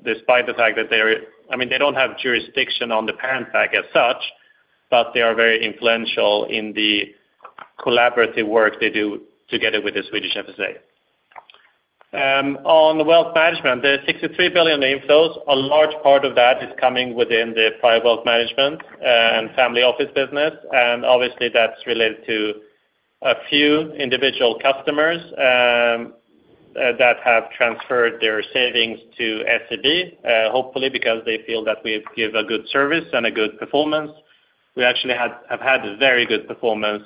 despite the fact that they're—I mean, they don't have jurisdiction on the parent bank as such, but they are very influential in the collaborative work they do together with the Swedish FSA. On the wealth management, the 63 billion inflows, a large part of that is coming within the private wealth management and family office business. Obviously, that's related to a few individual customers that have transferred their savings to SEB, hopefully because they feel that we give a good service and a good performance. We actually have had very good performance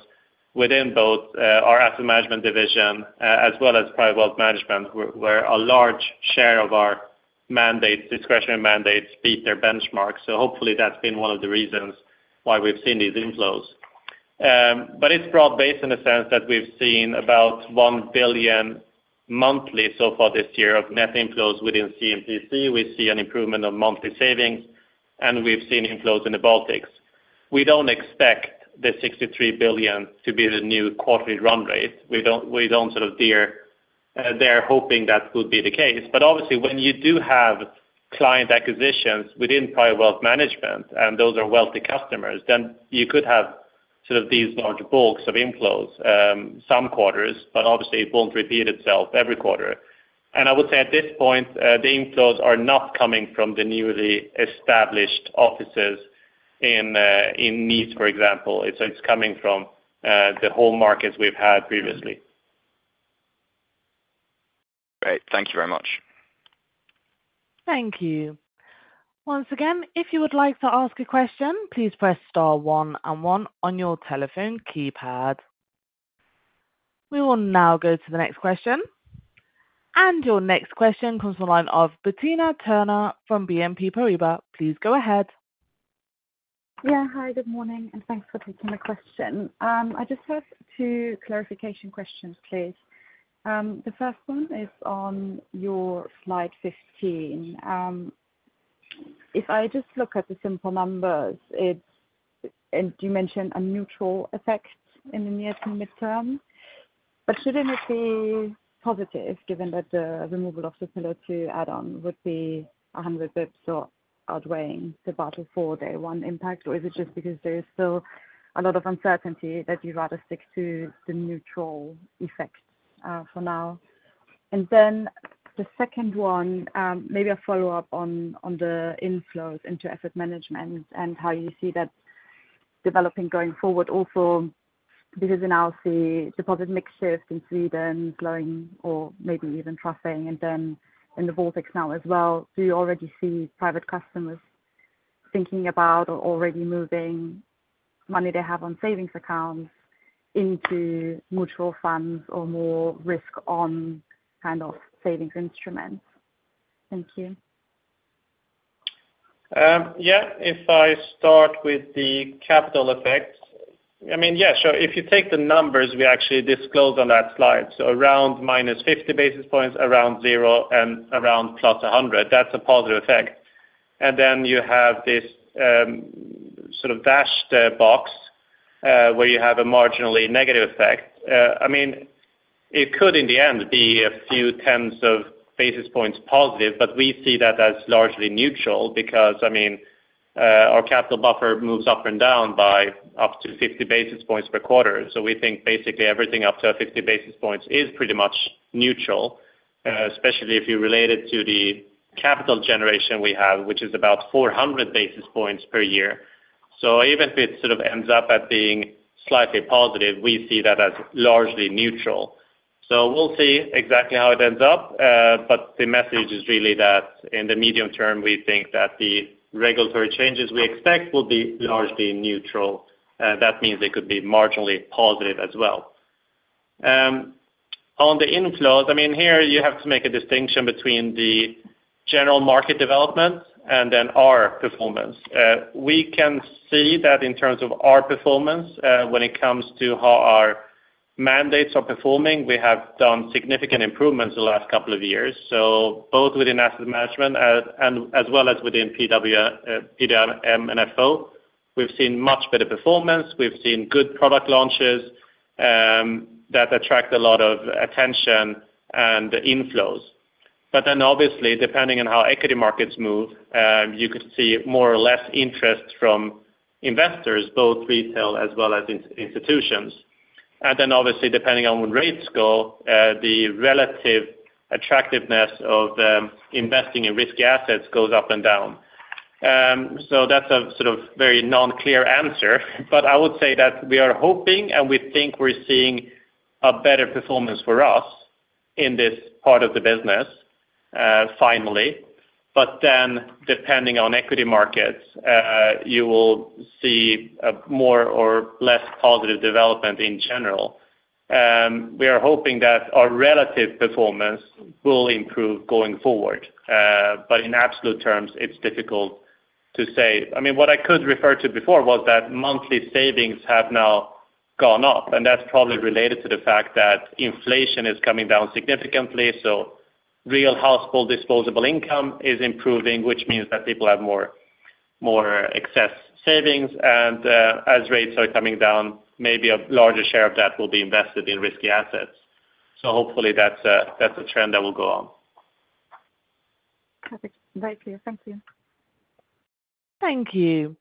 within both our asset management division as well as private wealth management, where a large share of our mandates, discretionary mandates, beat their benchmarks. So hopefully, that's been one of the reasons why we've seen these inflows. But it's broad-based in the sense that we've seen about 1 billion monthly so far this year of net inflows within C&PC. We see an improvement of monthly savings, and we've seen inflows in the Baltics. We don't expect the 63 billion to be the new quarterly run rate. We don't, we don't sort of dare hoping that would be the case. But obviously, when you do have client acquisitions within private wealth management, and those are wealthy customers, then you could have sort of these large bulks of inflows, some quarters, but obviously, it won't repeat itself every quarter. And I would say at this point, the inflows are not coming from the newly established offices in, in Nice, for example. It's coming from the home markets we've had previously. Great. Thank you very much. Thank you. Once again, if you would like to ask a question, please press star one and one on your telephone keypad. We will now go to the next question. Your next question comes from the line of Bettina Turner from BNP Paribas. Please go ahead. Yeah. Hi, good morning, and thanks for taking the question. I just have 2 clarification questions, please. The first one is on your slide 15. If I just look at the simple numbers, it's and you mentioned a neutral effect in the near- to midterm, but shouldn't it be positive, given that the removal of the Pillar 2 add-on would be 100 basis points, so outweighing the Basel IV day one impact? Or is it just because there is still a lot of uncertainty that you'd rather stick to the neutral effect for now? And then the second one, maybe a follow-up on the inflows into asset management and how you see that developing going forward. Also, because I now see deposit margins in Sweden growing or maybe even trending, and then in the Baltics now as well. Do you already see private customers thinking about or already moving money they have on savings accounts into mutual funds or more risk on kind of savings instruments? Thank you. Yeah. If I start with the capital effect, I mean, yeah, sure. If you take the numbers, we actually disclose on that slide. So around -50 basis points, around 0 and around +100, that's a positive effect. And then you have this, sort of dashed box, where you have a marginally negative effect. I mean, it could in the end be a few tens of basis points positive, but we see that as largely neutral because, I mean, our capital buffer moves up and down by up to 50 basis points per quarter. So we think basically everything up to our 50 basis points is pretty much neutral, especially if you relate it to the capital generation we have, which is about 400 basis points per year. So even if it sort of ends up at being slightly positive, we see that as largely neutral. So we'll see exactly how it ends up, but the message is really that in the medium term, we think that the regulatory changes we expect will be largely neutral, that means they could be marginally positive as well. On the inflows, I mean, here you have to make a distinction between the general market development and then our performance. We can see that in terms of our performance, when it comes to how our mandates are performing, we have done significant improvements the last couple of years. So both within asset management, and as well as within PWM and FO. We've seen much better performance. We've seen good product launches that attract a lot of attention and inflows. But then obviously, depending on how equity markets move, you could see more or less interest from investors, both retail as well as institutions. And then, obviously, depending on where rates go, the relative attractiveness of investing in risky assets goes up and down. So that's a sort of very non-clear answer, but I would say that we are hoping, and we think we're seeing a better performance for us in this part of the business, finally. But then, depending on equity markets, you will see a more or less positive development in general. We are hoping that our relative performance will improve going forward, but in absolute terms, it's difficult to... To say, I mean, what I could refer to before was that monthly savings have now gone up, and that's probably related to the fact that inflation is coming down significantly. So real household disposable income is improving, which means that people have more, more excess savings. And, as rates are coming down, maybe a larger share of that will be invested in risky assets. So hopefully that's a, that's a trend that will go on. Perfect. Very clear. Thank you. Thank you.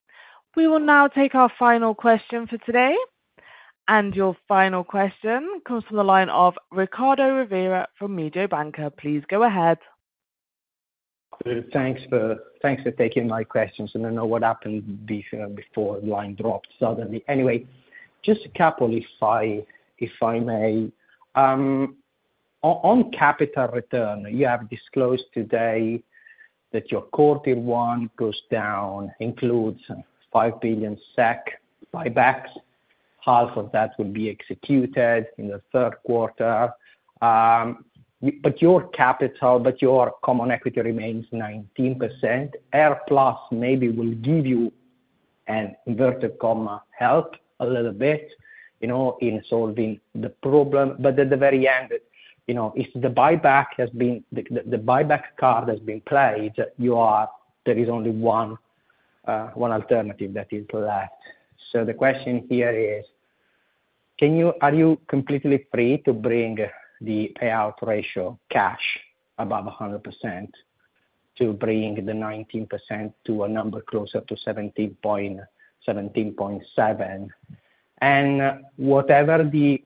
We will now take our final question for today. Your final question comes from the line of Riccardo Rovere from Mediobanca. Please go ahead. Thanks for, thanks for taking my questions. I don't know what happened before, before line dropped suddenly. Anyway, just a couple if I, if I may. On capital return, you have disclosed today that your quarter one goes down, includes 5 billion SEK buybacks. Half of that will be executed in the third quarter. But your capital, but your common equity remains 19%. AirPlus maybe will give you an inverted comma, "help" a little bit, you know, in solving the problem. But at the very end, you know, if the buyback has been the, the buyback card has been played, you are there is only one alternative that is left. The question here is: Are you completely free to bring the payout ratio cash above 100%, to bring the 19% to a number closer to 17, 17.7? And whatever the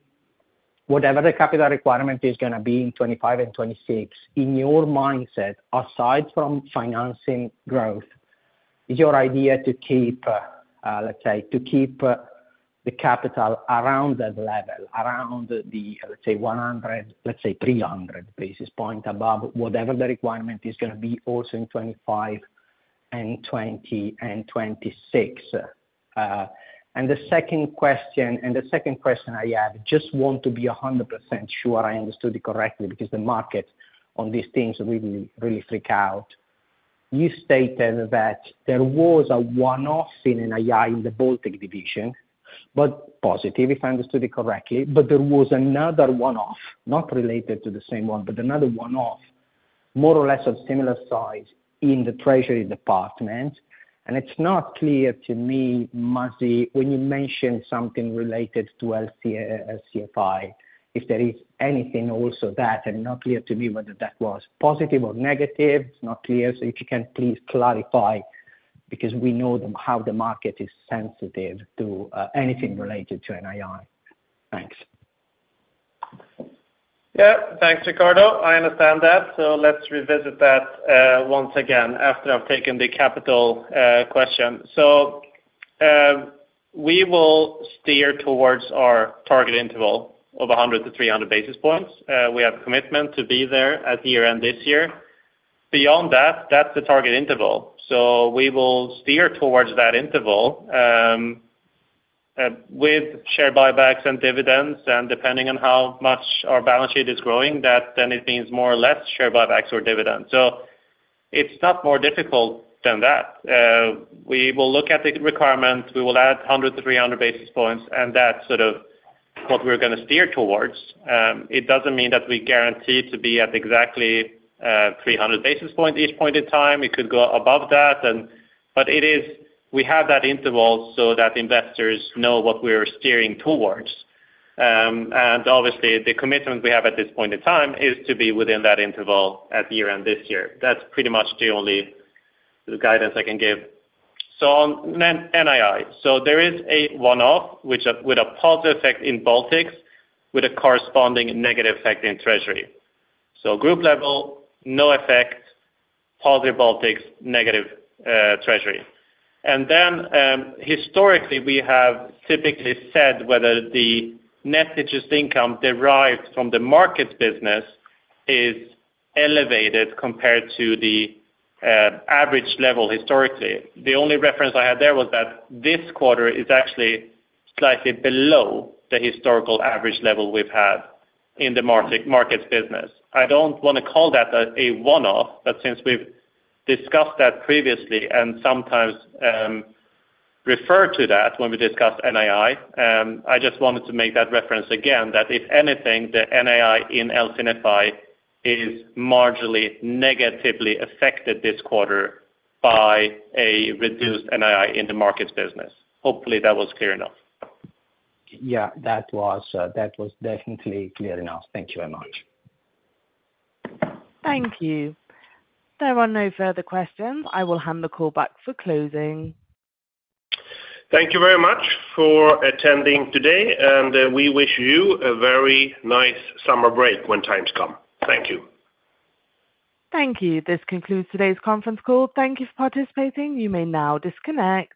capital requirement is gonna be in 2025 and 2026, in your mindset, aside from financing growth, is your idea to keep, let's say, to keep, the capital around that level, around the, let's say, 100, say 300 basis points above whatever the requirement is gonna be also in 2025 and 2026? And the second question I have, just want to be 100% sure I understood it correctly, because the market on these things really, really freak out. You stated that there was a one-off in an NII in the Baltic division, but positive, if I understood it correctly, but there was another one-off, not related to the same one, but another one-off, more or less of similar size in the treasury department. And it's not clear to me, Masih, when you mention something related to LC, LC&FI, if there is anything also that, and not clear to me whether that was positive or negative. It's not clear. So if you can please clarify, because we know the, how the market is sensitive to, anything related to NII. Thanks. Yeah. Thanks, Riccardo. I understand that, so let's revisit that once again after I've taken the capital question. So we will steer towards our target interval of 100-300 basis points. We have commitment to be there at year-end this year. Beyond that, that's the target interval, so we will steer towards that interval with share buybacks and dividends, and depending on how much our balance sheet is growing, that then it means more or less share buybacks or dividends. So it's not more difficult than that. We will look at the requirements, we will add 100-300 basis points, and that's sort of what we're gonna steer towards. It doesn't mean that we guarantee to be at exactly three hundred basis points each point in time. It could go above that, and... But it is, we have that interval so that investors know what we're steering towards. And obviously, the commitment we have at this point in time is to be within that interval at year-end this year. That's pretty much the only guidance I can give. So on NII. So there is a one-off, which, with a positive effect in Baltics, with a corresponding negative effect in treasury. So group level, no effect, positive Baltics, negative treasury. And then, historically, we have typically said whether the net interest income derived from the markets business is elevated compared to the average level historically. The only reference I had there was that this quarter is actually slightly below the historical average level we've had in the markets business. I don't wanna call that a one-off, but since we've discussed that previously and sometimes referred to that when we discussed NII, I just wanted to make that reference again, that if anything, the NII in LC&FI is marginally negatively affected this quarter by a reduced NII in the markets business. Hopefully, that was clear enough. Yeah, that was, that was definitely clear enough. Thank you very much. Thank you. There are no further questions. I will hand the call back for closing. Thank you very much for attending today, and, we wish you a very nice summer break when times come. Thank you. Thank you. This concludes today's conference call. Thank you for participating. You may now disconnect.